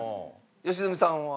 良純さんは？